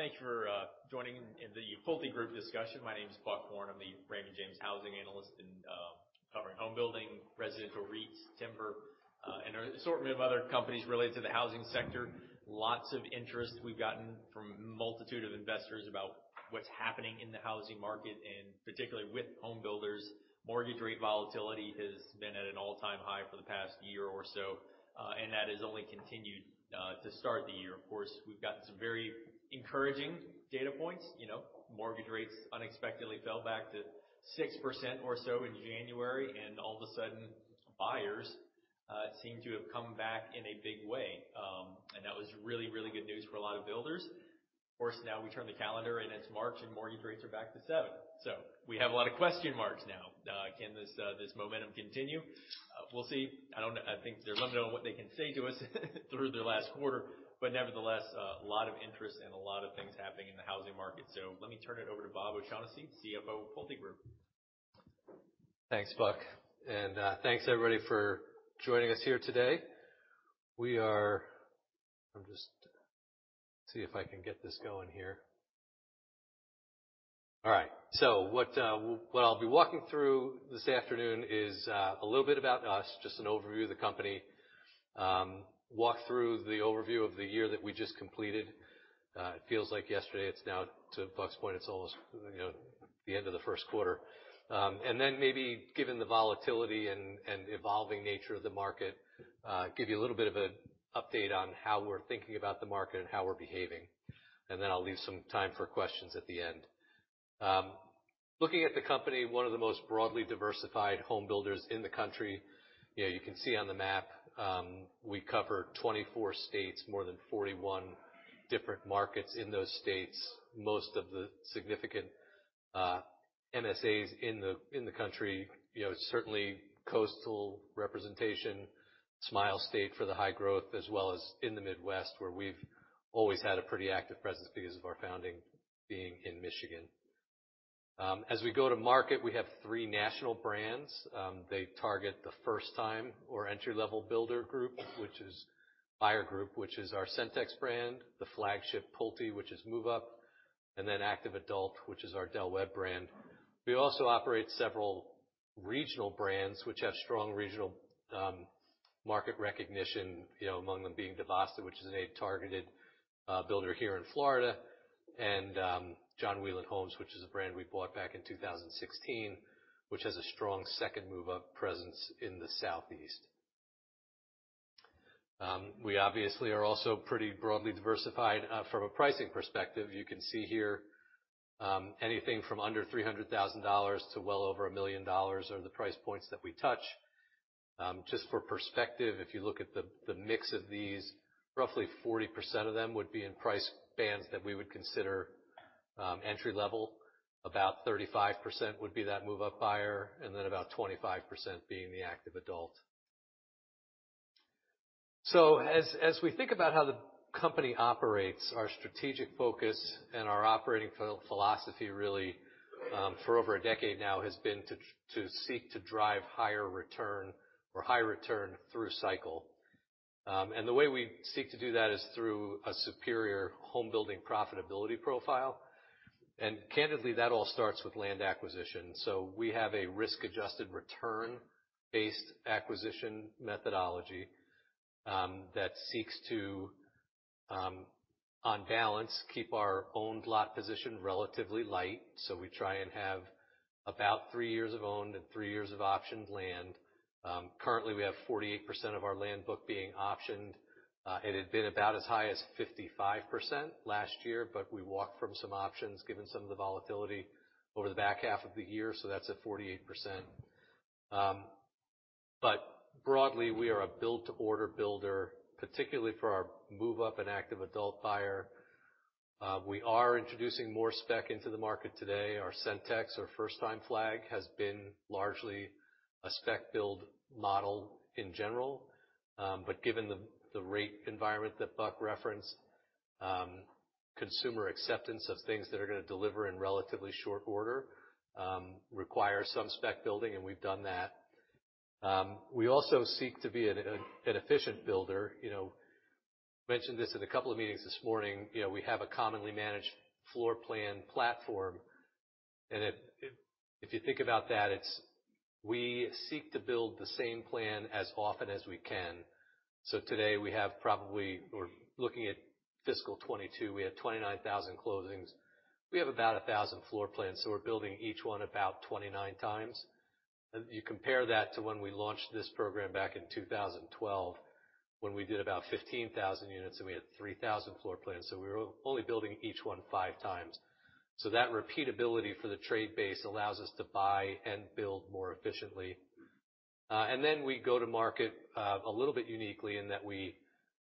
Thanks for joining in the PulteGroup discussion. My name is Buck Horne. I'm the Raymond James housing analyst and covering home building, residential REITs, timber, and an assortment of other companies related to the housing sector. Lots of interest we've gotten from a multitude of investors about what's happening in the housing market, and particularly with home builders. Mortgage rate volatility has been at an all-time high for the past year or so, and that has only continued to start the year. Of course, we've got some very encouraging data points. You know, mortgage rates unexpectedly fell back to 6% or so in January, and all of a sudden, buyers seem to have come back in a big way. That was really good news for a lot of builders. Of course, now we turn the calendar and it's March and mortgage rates are back to 7%. We have a lot of question marks now. Can this momentum continue? We'll see. I think they're wondering what they can say to us through the last quarter, nevertheless, a lot of interest and a lot of things happening in the housing market. Let me turn it over to Bob O'Shaughnessy, CFO of PulteGroup. Thanks, Buck. Thanks everybody for joining us here today. See if I can get this going here. All right. What I'll be walking through this afternoon is a little bit about us, just an overview of the company. Walk through the overview of the year that we just completed. It feels like yesterday. It's now, to Buck's point, it's almost, you know, the end of the first quarter. Maybe given the volatility and evolving nature of the market, give you a little bit of an update on how we're thinking about the market and how we're behaving. I'll leave some time for questions at the end. Looking at the company, one of the most broadly diversified home builders in the country. You know, you can see on the map, we cover 24 states, more than 41 different markets in those states. Most of the significant MSAs in the, in the country. You know, certainly coastal representation states for the high growth as well as in the Midwest, where we've always had a pretty active presence because of our founding being in Michigan. As we go to market, we have three national brands. They target the first-time or entry-level builder group, which is our Centex brand, the flagship Pulte, which is move-up, and then active adult, which is our Del Webb brand. We also operate several regional brands which have strong regional market recognition, you know, among them being DiVosta, which is a targeted builder here in Florida, and John Wieland Homes, which is a brand we bought back in 2016, which has a strong second move-up presence in the Southeast. We obviously are also pretty broadly diversified from a pricing perspective. You can see here, anything from under $300,000 to well over $1 million are the price points that we touch. Just for perspective, if you look at the mix of these, roughly 40% of them would be in price bands that we would consider entry-level. About 35% would be that move-up buyer, then about 25% being the active adult. As we think about how the company operates, our strategic focus and our operating philosophy, really, for over a decade now, has been to seek to drive higher return or high return through cycle. The way we seek to do that is through a superior home building profitability profile. Candidly, that all starts with land acquisition. We have a risk-adjusted return-based acquisition methodology that seeks to, on balance, keep our own lot position relatively light. We try and have about three years of owned and three years of optioned land. Currently, we have 48% of our land book being optioned. It had been about as high as 55% last year, but we walked from some options given some of the volatility over the back half of the year. That's at 48%. Broadly, we are a build-to-order builder, particularly for our move-up and active-adult buyer. We are introducing more spec into the market today. Our Centex or first-time flag has been largely a spec build model in general. Given the rate environment that Buck referenced, consumer acceptance of things that are gonna deliver in relatively short order, require some spec building, and we've done that. We also seek to be an efficient builder. You know, mentioned this in a couple of meetings this morning. You know, we have a commonly managed floor plan platform. If you think about that, it's we seek to build the same plan as often as we can. Today we're looking at fiscal 2022, we had 29,000 closings. We have about 1,000 floor plans, so we're building each one about 29 times. You compare that to when we launched this program back in 2012 when we did about 15,000 units and we had 3,000 floor plans. We were only building each one five times. That repeatability for the trade base allows us to buy and build more efficiently. We go to market a little bit uniquely in that we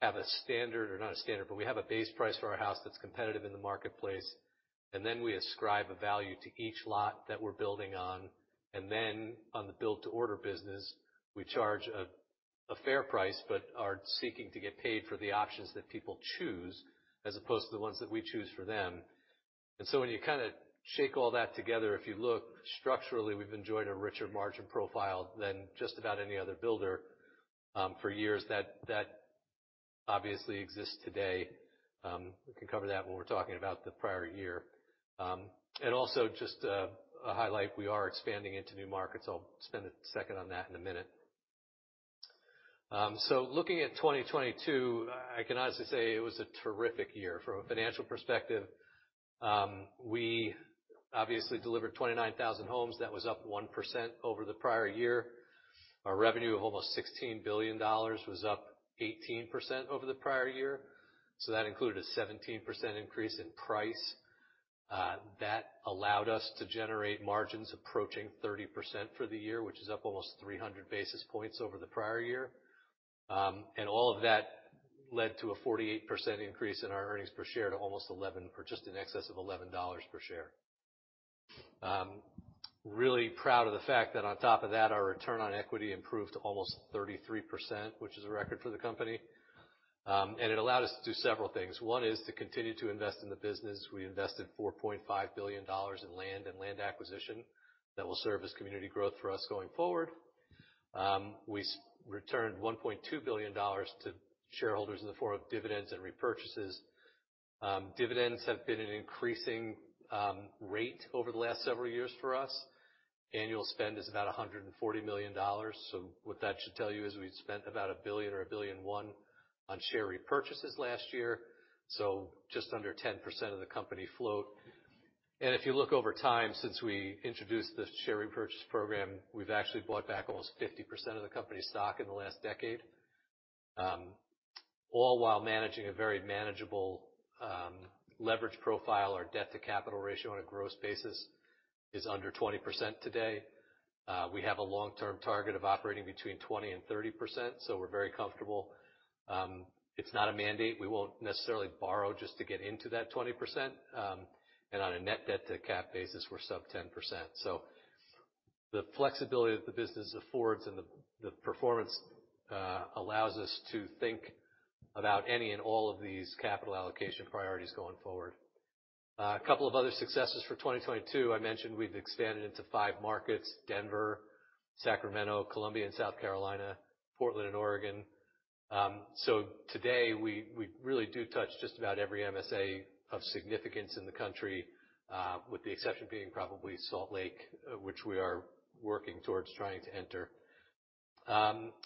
have a standard or not a standard, but we have a base price for our house that's competitive in the marketplace. We ascribe a value to each lot that we're building on. On the build-to-order business, we charge a fair price, but are seeking to get paid for the options that people choose as opposed to the ones that we choose for them. When you kind of shake all that together, if you look structurally, we've enjoyed a richer margin profile than just about any other builder for years. That obviously exists today. We can cover that when we're talking about the prior year. Just to highlight, we are expanding into new markets. I'll spend a second on that in a minute. Looking at 2022, I can honestly say it was a terrific year from a financial perspective. We obviously delivered 29,000 homes. That was up 1% over the prior year. Our revenue of almost $16 billion was up 18% over the prior year. That included a 17% increase in price, that allowed us to generate margins approaching 30% for the year, which is up almost 300 basis points over the prior year. All of that led to a 48% increase in our earnings per share to almost $11 or just in excess of $11 per share. Really proud of the fact that on top of that, our return on equity improved almost 33%, which is a record for the company. It allowed us to do several things. One is to continue to invest in the business. We invested $4.5 billion in land and land acquisition that will serve as community growth for us going forward. We returned $1.2 billion to shareholders in the form of dividends and repurchases. Dividends have been an increasing rate over the last several years for us. Annual spend is about $140 million. What that should tell you is we've spent about $1 billion or $1.1 billion on share repurchases last year, just under 10% of the company float. If you look over time, since we introduced the share repurchase program, we've actually bought back almost 50% of the company stock in the last decade, all while managing a very manageable leverage profile. Our debt-to-capital ratio on a gross basis is under 20% today. We have a long-term target of operating between 20% and 30%, so we're very comfortable. It's not a mandate. We won't necessarily borrow just to get into that 20%. On a net debt-to-cap basis, we're sub 10%. The flexibility that the business affords and the performance allows us to think about any and all of these capital allocation priorities going forward. A couple of other successes for 2022. I mentioned we've expanded into five markets, Denver, Sacramento, Columbia in South Carolina, Portland in Oregon. Today we really do touch just about every MSA of significance in the country, with the exception being probably Salt Lake, which we are working towards trying to enter.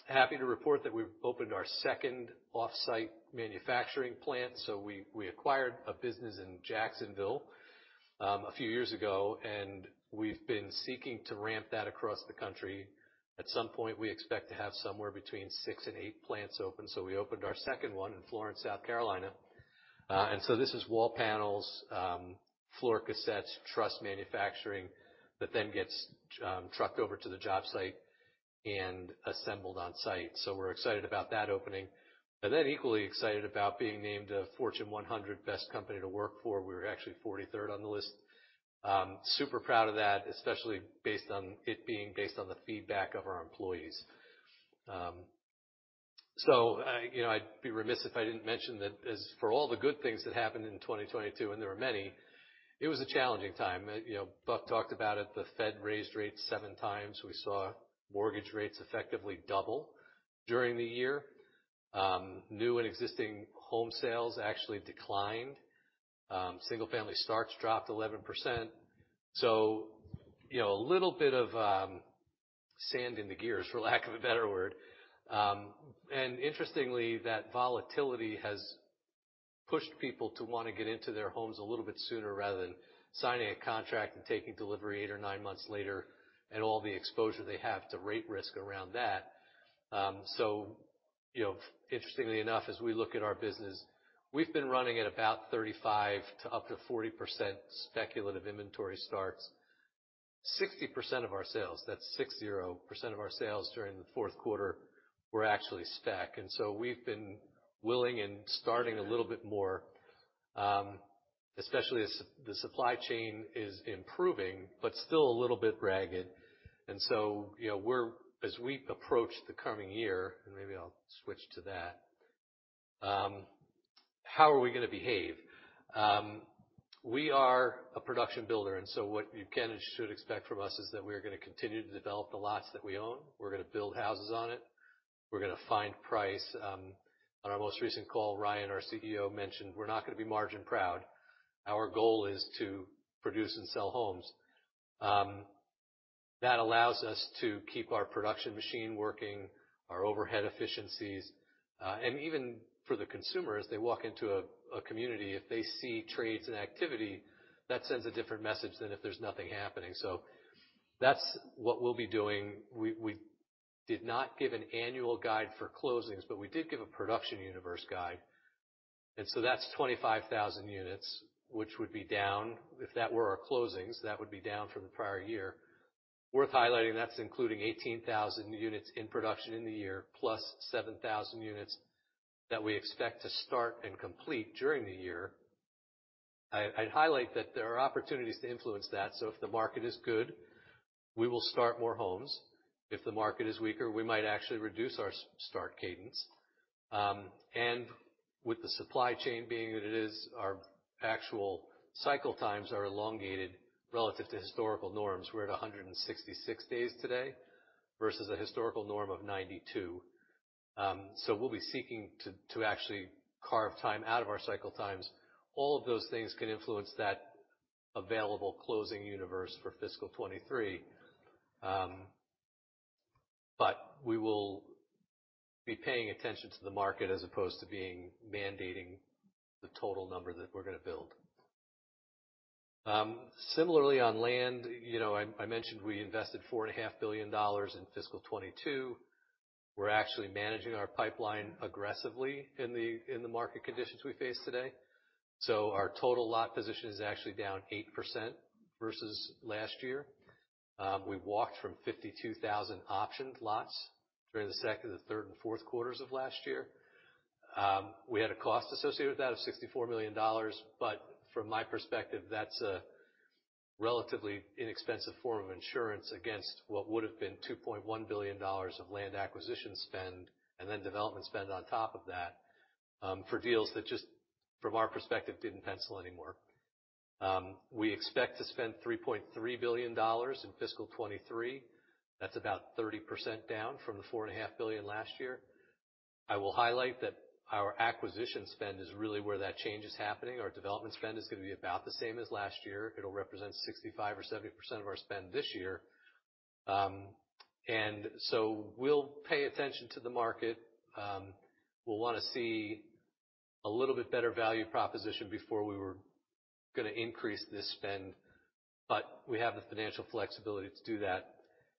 Happy to report that we've opened our second off-site manufacturing plant. We, we acquired a business in Jacksonville a few years ago, and we've been seeking to ramp that across the country. At some point, we expect to have somewhere between six and eight plants open. We opened our second one in Florence, South Carolina. This is wall panels, floor cassettes, truss manufacturing that then gets trucked over to the job site and assembled on-site. We're excited about that opening. And then equally excited about being named a Fortune 100 Best Companies to Work For. We were actually 43rd on the list. Super proud of that, especially based on it being based on the feedback of our employees. You know, I'd be remiss if I didn't mention that as for all the good things that happened in 2022, and there were many, it was a challenging time. You know, Buck talked about it. The Fed raised rates seven times. We saw mortgage rates effectively double during the year. New and existing home sales actually declined. Single-family starts dropped 11%. You know, a little bit of sand in the gears, for lack of a better word. Interestingly, that volatility has pushed people to want to get into their homes a little bit sooner rather than signing a contract and taking delivery eight or nine months later and all the exposure they have to rate risk around that. You know, interestingly enough, as we look at our business, we've been running at about 35% to up to 40% speculative inventory starts. 60% of our sales, that's 60% of our sales during the fourth quarter were actually spec. And so we've been willing and starting a little bit more, especially as the supply chain is improving but still a little bit ragged. And so you know, as we approach the coming year, and maybe I'll switch to that, how are we gonna behave? We are a production builder. And so what you can and should expect from us is that we're gonna continue to develop the lots that we own. We're gonna build houses on it. We're gonna find price. On our most recent call, Ryan, our CEO, mentioned we're not gonna be margin proud. Our goal is to produce and sell homes. That allows us to keep our production machine working, our overhead efficiencies. Even for the consumer, as they walk into a community, if they see trades and activity, that sends a different message than if there's nothing happening. That's what we'll be doing. We did not give an annual guide for closings, but we did give a production universe guide. That's 25,000 units, which would be down. If that were our closings, that would be down from the prior year. Worth highlighting, that's including 18,000 units in production in the year, plus 7,000 units that we expect to start and complete during the year. I'd highlight that there are opportunities to influence that. If the market is good, we will start more homes. If the market is weaker, we might actually reduce our start cadence. With the supply chain being that it is our actual cycle times are elongated relative to historical norms. We're at 166 days today versus a historical norm of 92 days. So we'll be seeking to actually carve time out of our cycle times. All of those things can influence that available closing universe for fiscal 2023. We will be paying attention to the market as opposed to being mandating the total number that we're gonna build. Similarly on land, you know, I mentioned we invested $4.5 billion in fiscal 2022. We're actually managing our pipeline aggressively in the, in the market conditions we face today. So our total lot position is actually down 8% versus last year. We walked from 52,000 optioned lots during the second, the third and fourth quarters of last year. We had a cost associated with that of $64 million, but from my perspective, that's a relatively inexpensive form of insurance against what would have been $2.1 billion of land acquisition spend, and then development spend on top of that, for deals that just from our perspective, didn't pencil anymore. We expect to spend $3.3 billion in fiscal 2023. That's about 30% down from the $4.5 billion last year. I will highlight that our acquisition spend is really where that change is happening. Our development spend is gonna be about the same as last year. It'll represent 65% or 70% of our spend this year. We'll pay attention to the market. We'll wanna see a little bit better value proposition before we were gonna increase the spend, but we have the financial flexibility to do that.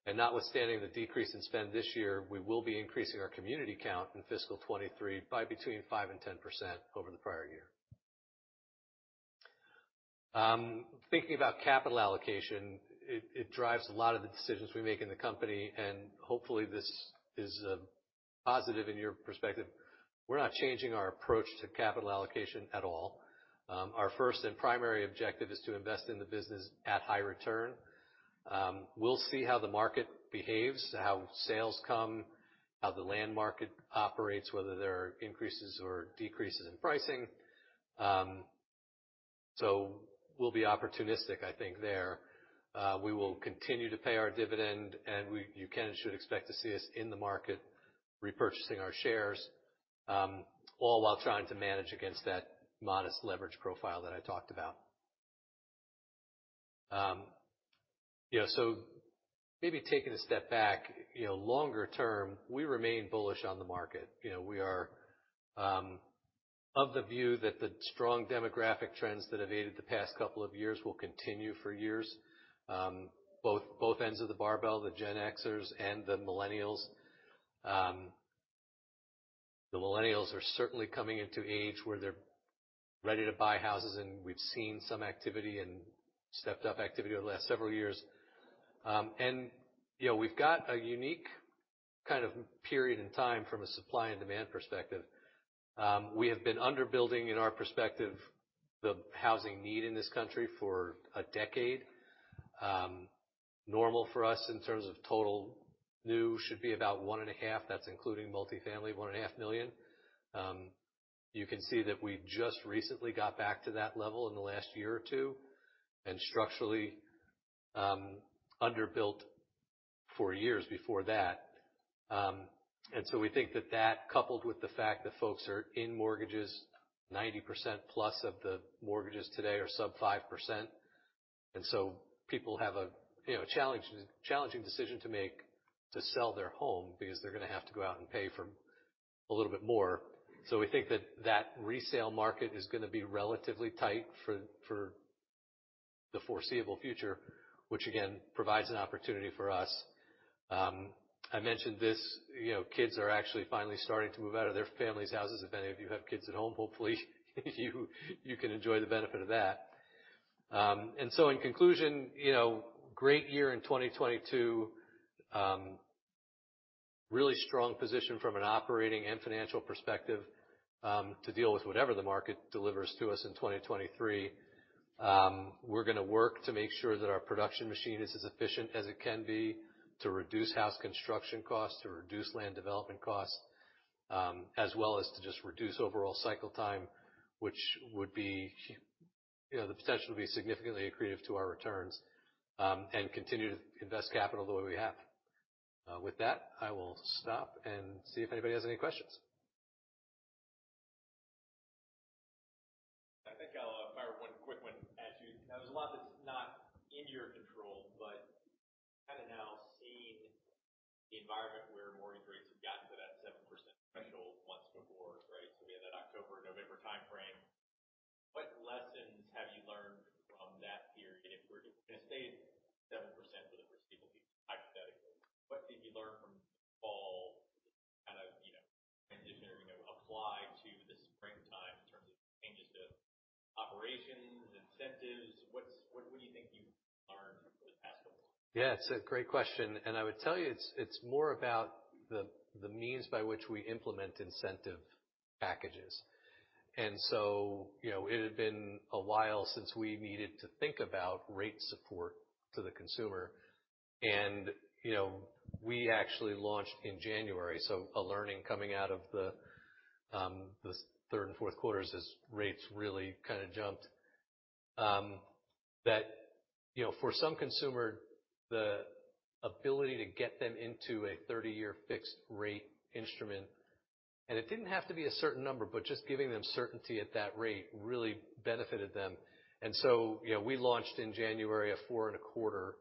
Notwithstanding the decrease in spend this year, we will be increasing our community count in fiscal 2023 by between 5% and 10% over the prior year. Thinking about capital allocation, it drives a lot of the decisions we make in the company, and hopefully this is positive in your perspective. We're not changing our approach to capital allocation at all. Our first and primary objective is to invest in the business at high return. We'll see how the market behaves, how sales come, how the land market operates, whether there are increases or decreases in pricing. We'll be opportunistic, I think there. We will continue to pay our dividend, and you can and should expect to see us in the market repurchasing our shares, all while trying to manage against that modest leverage profile that I talked about. You know, maybe taking a step back, you know, longer term, we remain bullish on the market. You know, we are of the view that the strong demographic trends that have aided the past couple of years will continue for years. Both ends of the barbell, the Gen Xers and the millennials. The millennials are certainly coming into age where they're ready to buy houses, and we've seen some activity and stepped-up activity over the last several years. You know, we've got a unique kind of period in time from a supply and demand perspective. We have been under-building, in our perspective, the housing need in this country for a decade. Normal for us in terms of total new should be about 1.5 million. That's including multi-family, 1.5 million. You can see that we just recently got back to that level in the last year or two, and structurally, under-built for years before that. We think that that, coupled with the fact that folks are in mortgages, 90%+ of the mortgages today are sub 5%. And so people have a, you know, challenging decision to make to sell their home because they're gonna have to go out and pay for a little bit more. We think that that resale market is gonna be relatively tight for the foreseeable future, which again, provides an opportunity for us. I mentioned this, you know, kids are actually finally starting to move out of their family's houses. If any of you have kids at home, hopefully you can enjoy the benefit of that. In conclusion, you know, great year in 2022. Really strong position from an operating and financial perspective to deal with whatever the market delivers to us in 2023. We're gonna work to make sure that our production machine is as efficient as it can be to reduce house construction costs, to reduce land development costs, as well as to just reduce overall cycle time, which would be, you know, the potential to be significantly accretive to our returns, and continue to invest capital the way we have. With that, I will stop and see if anybody has any questions. I think I'll fire a quick one at you. There's a lot that's not in your control, but kinda now seeing the environment where mortgage rates have gotten to that 7% threshold once before, right? We had that October-November timeframe. What lessons have you learned from that period if we're gonna stay at 7% for the foreseeable future, hypothetically? What did you learn from fall kind of, you know, transitioning or apply to the springtime in terms of changes to operations, incentives? What do you think you've learned from the past couple? Yeah, it's a great question. I would tell you, it's more about the means by which we implement incentive packages. You know, it had been a while since we needed to think about rate support to the consumer. You know, we actually launched in January. A learning coming out of the third and fourth quarters as rates really kind of jumped, that, you know, for some consumer, the ability to get them into a 30-year fixed rate instrument, and it didn't have to be a certain number, but just giving them certainty at that rate really benefited them. You know, we launched in January a 4.25%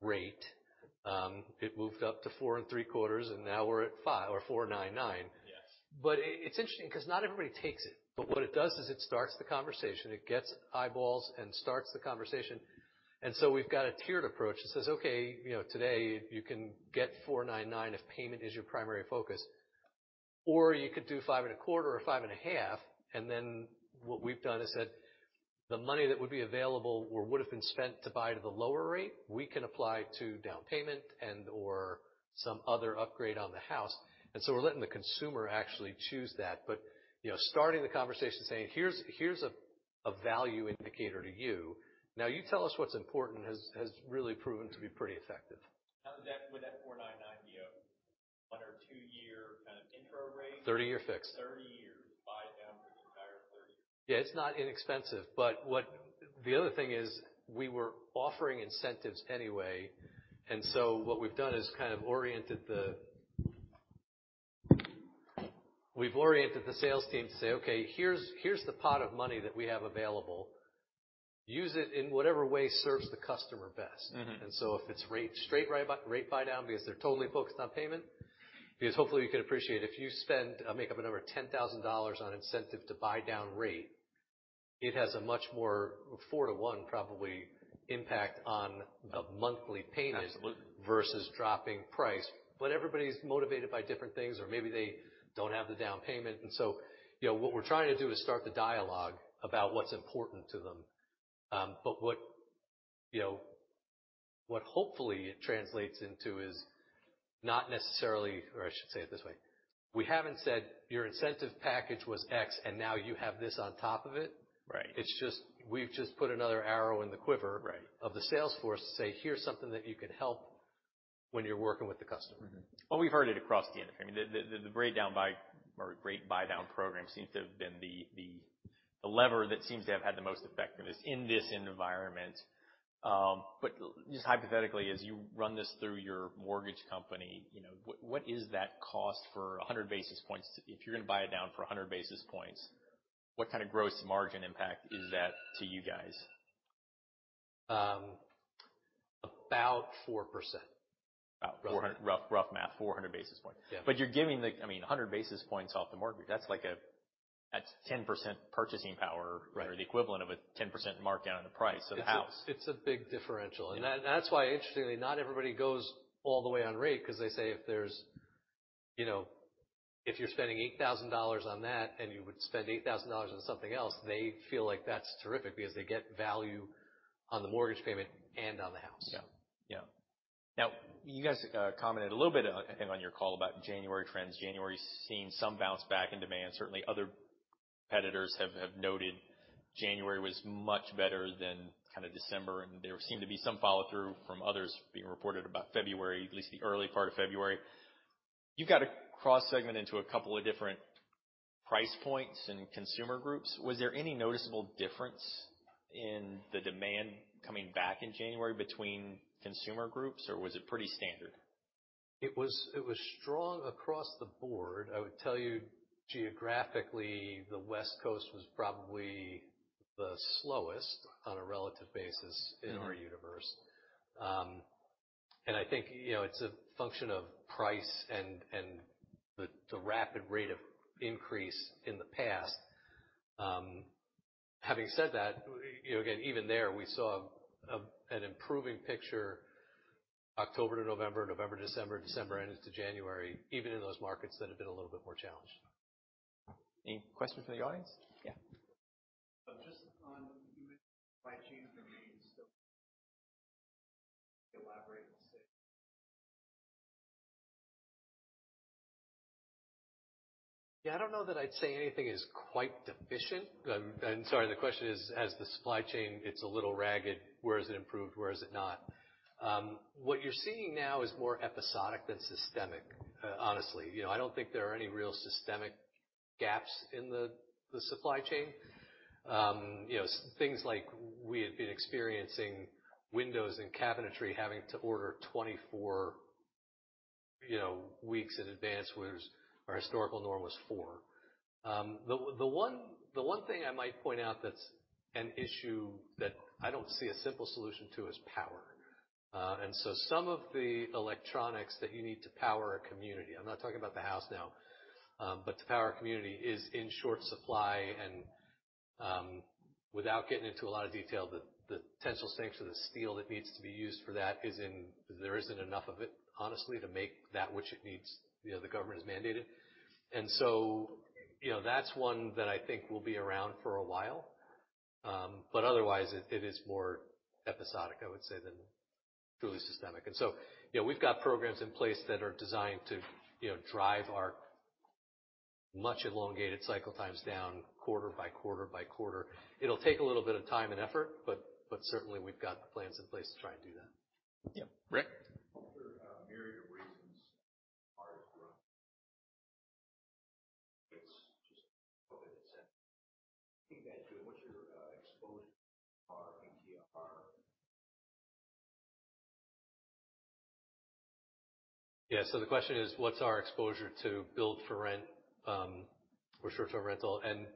rate. It moved up to 4.75%, and now we're at 5% or 4.99%. Yes. But it's interesting 'cause not everybody takes it. What it does is it starts the conversation. It gets eyeballs and starts the conversation. We've got a tiered approach that says, "Okay, you know, today you can get 4.99% if payment is your primary focus, or you could do 5.25% or 5.5%." And then what we've done, I said, "The money that would be available or would've been spent to buy to the lower rate, we can apply to down payment or some other upgrade on the house." And so we're letting the consumer actually choose that. You know, starting the conversation saying, "Here's, here's a value indicator to you. Now you tell us what's important," has really proven to be pretty effective. How would that 4.99% be a one or two-year kind of intro rate? 30-year fixed. 30-year. Buydown for the entire 30. Yeah, it's not inexpensive. The other thing is we were offering incentives anyway, and what we've done is kind of oriented the... We've oriented the sales team to say, "Okay, here's the pot of money that we have available. Use it in whatever way serves the customer best. Mm-hmm. And so if it's rate buyback because they're totally focused on payment, because hopefully you can appreciate if you spend, I'll make up a number, $10,000 on incentive to buydown rate, it has a much more 4:1 probably impact on the monthly payment. Absolutely. Versus dropping price. Everybody's motivated by different things or maybe they don't have the down payment. You know, what we're trying to do is start the dialogue about what's important to them. What, you know, what hopefully it translates into is not necessarily... Or I should say it this way. We haven't said, "Your incentive package was X, and now you have this on top of it." Right. It's just, we've just put another arrow in the quiver. Right. Of the sales force to say, "Here's something that you can help when you're working with the customer." We've heard it across the industry. I mean, the rate down buy or rate buydown program seems to have been the lever that seems to have had the most effectiveness in this environment. Just hypothetically, as you run this through your mortgage company, you know, what is that cost for 100 basis points? If you're gonna buy it down for 100 basis points, what kind of gross margin impact is that to you guys? About 4%. About 400. Rough, rough math, 400 basis points. Yeah. But you're giving I mean, 100 basis points off the mortgage, that's like a, that's 10% purchasing power. Right. Or the equivalent of a 10% markdown on the price of the house. It's a big differential. That's why interestingly, not everybody goes all the way on rate 'cause they say if there's, you know, if you're spending $8,000 on that and you would spend $8,000 on something else, they feel like that's terrific because they get value on the mortgage payment and on the house. Yeah. Yeah. You guys commented a little bit, I think on your call about January trends. January's seen some bounce back in demand. Certainly other competitors have noted January was much better than kind of December, and there seemed to be some follow-through from others being reported about February, at least the early part of February. You've got to cross-segment into a couple of different price points and consumer groups. Was there any noticeable difference in the demand coming back in January between consumer groups, or was it pretty standard? It was strong across the board. I would tell you geographically, the West Coast was probably the slowest on a relative basis. Mm-hmm In our universe. And I think, you know, it's a function of price and the rapid rate of increase in the past. Having said that, you know, again, even there, we saw an improving picture October to November to December and into January, even in those markets that have been a little bit more challenged. Any questions from the audience? Yeah? Just on you mentioned supply chain remains. Yeah, I don't know that I'd say anything is quite deficient. Sorry, the question is, has the supply chain hits a little ragged, where has it improved, where has it not? What you're seeing now is more episodic than systemic, honestly. You know, I don't think there are any real systemic gaps in the supply chain. You know, things like we have been experiencing windows and cabinetry having to order 24, you know, weeks in advance, whereas our historical norm was four weeks. The one thing I might point out that's an issue that I don't see a simple solution to is power. Some of the electronics that you need to power a community, I'm not talking about the house now, but to power a community is in short supply. Without getting into a lot of detail, the potential stakes of the steel that needs to be used for that. There isn't enough of it, honestly, to make that which it needs. You know, the government has mandated. You know, that's one that I think will be around for a while. Otherwise it is more episodic, I would say, truly systemic. And so you know, we've got programs in place that are designed to, you know, drive our much-elongated cycle time down quarter by quarter by quarter. It'll take a little bit of time and effort, but certainly we've got the plans in place to try and do that. Yeah. Rick? What's your exposure in R and TR? Yeah. The question is what's our exposure to build for rent, for short-term rental and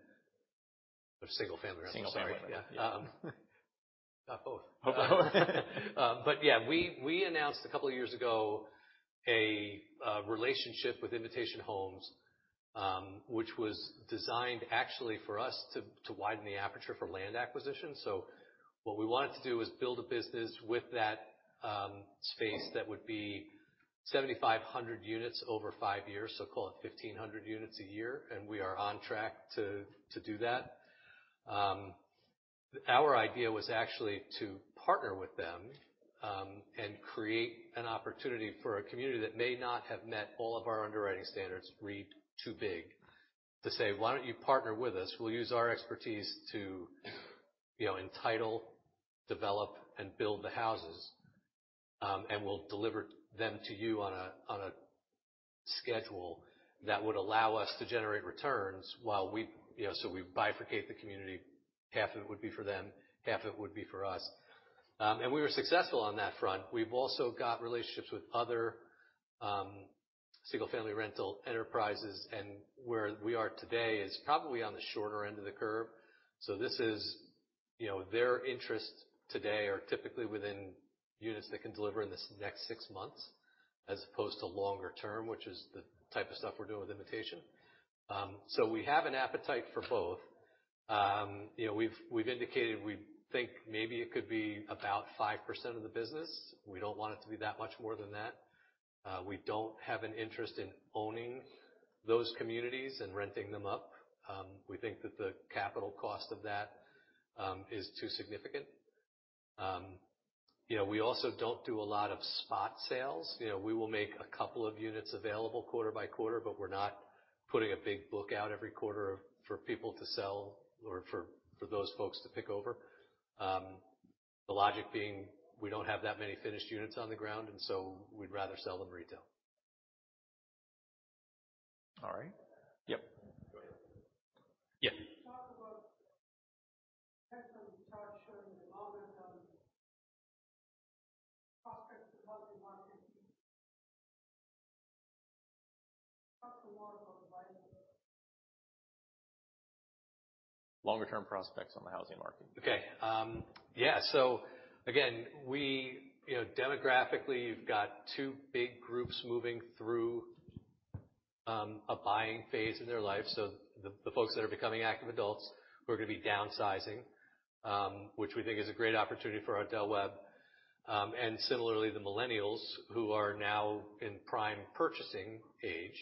for single-family rent. Single-family. Yeah. Not both. Yeah, we announced a couple of years ago a relationship with Invitation Homes, which was designed actually for us to widen the aperture for land acquisition. What we wanted to do is build a business with that space that would be 7,500 units over five years, so call it 1,500 units a year, and we are on track to do that. Our idea was actually to partner with them, and create an opportunity for a community that may not have met all of our underwriting standards read too big to say, "Why don't you partner with us? We'll use our expertise to, you know, entitle, develop, and build the houses. And we'll deliver them to you on a, on a schedule that would allow us to generate returns while we, you know..." So we bifurcate the community. Half of it would be for them, half of it would be for us. We were successful on that front. We've also got relationships with other, single-family rental enterprises, and where we are today is probably on the shorter end of the curve. This is, you know, their interests today are typically within units that can deliver in this next six months as opposed to longer term, which is the type of stuff we're doing with Invitation. We have an appetite for both. You know, we've indicated we think maybe it could be about 5% of the business. We don't want it to be that much more than that. We don't have an interest in owning those communities and renting them up. We think that the capital cost of that is too significant. You know, we also don't do a lot of spec sales. You know, we will make a couple of units available quarter by quarter, but we're not putting a big book out every quarter for people to sell or for those folks to pick over. The logic being, we don't have that many finished units on the ground, we'd rather sell them retail. All right. Yep? I'll go ahead. Yeah. Can you talk about the momentum, prospects of housing market? Talk more about buying. Longer term prospects on the housing market. Okay. So again, you know, demographically, you've got two big groups moving through a buying phase in their life. The folks that are becoming active adults who are gonna be downsizing, which we think is a great opportunity for our Del Webb, and similarly, the millennials who are now in prime purchasing age.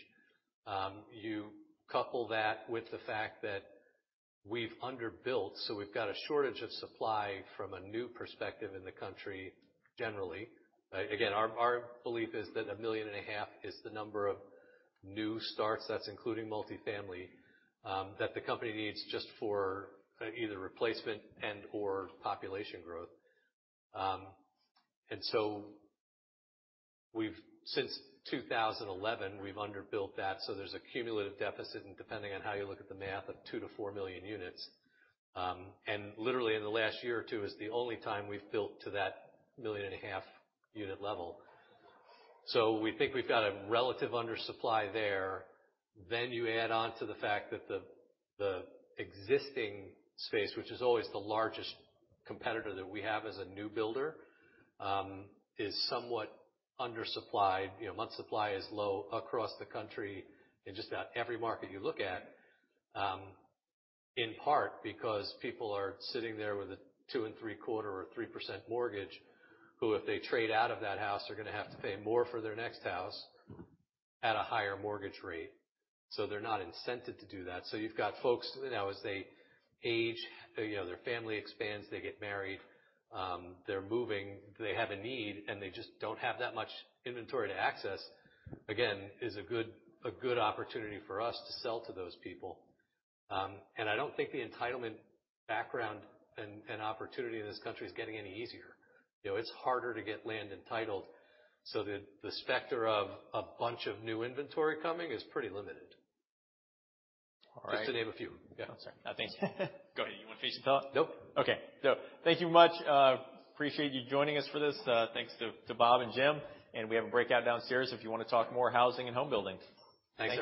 You couple that with the fact that we've underbuilt, we've got a shortage of supply from a new perspective in the country generally. Our belief is that 1.5 million is the number of new starts, that's including multi-family, that the company needs just for either replacement and/or population growth. Since 2011, we've underbuilt that, there's a cumulative deficit, and depending on how you look at the math, of 2 million-4 million units. Literally in the last year or two is the only time we've built to that 1.5-million-unit level. We think we've got a relative undersupply there. You add on to the fact that the existing space, which is always the largest competitor that we have as a new builder, is somewhat undersupplied. You know, months' supply is low across the country in just about every market you look at, in part because people are sitting there with a 2.75% or 3% mortgage, who, if they trade out of that house, are gonna have to pay more for their next house at a higher mortgage rate. They're not incented to do that. You've got folks now as they age, you know, their family expands, they get married, they're moving, they have a need, and they just don't have that much inventory to access. Again, is a good opportunity for us to sell to those people. I don't think the entitlement background and opportunity in this country is getting any easier. You know, it's harder to get land entitled, so the specter of a bunch of new inventory coming is pretty limited. All right. Just to name a few. Yeah. I'm sorry. No, thanks. Go ahead. You wanna finish the talk? Nope. Okay. No. Thank you much. Appreciate you joining us for this. Thanks to Bob and Jim. We have a breakout downstairs if you wanna talk more housing and home building. Thanks.